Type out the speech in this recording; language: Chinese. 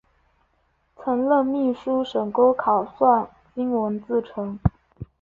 曾任秘书省钩考算经文字臣。